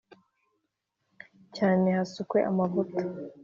Cyane hasukwe amavuta .